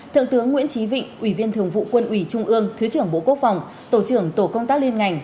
thượng tướng nguyễn trí vịnh ủy viên thường vụ quân ủy trung ương thứ trưởng bộ quốc phòng tổ trưởng tổ công tác liên ngành